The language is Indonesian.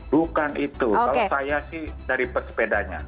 bukan itu kalau saya sih dari pesepedanya